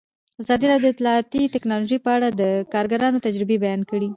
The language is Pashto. ازادي راډیو د اطلاعاتی تکنالوژي په اړه د کارګرانو تجربې بیان کړي.